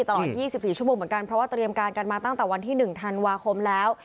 ตลอด๒๔ชั่วโมงเหมือนกันเพราะว่าเตรียมการกันมาตั้งแต่วันที่๑ธันวาคมแล้ว